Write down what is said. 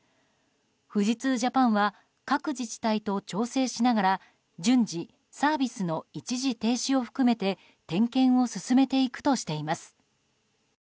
富士通Ｊａｐａｎは各自治体と調整しながら順次、サービスの一時停止を含めて点検を進めていくとしています。